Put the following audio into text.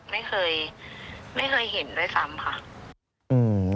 ไม่เคยเห็นด้วยซ้ำค่ะ